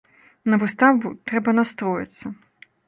На выставу трэба настроіцца.